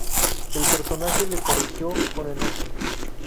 El personaje le corrigió con enojo.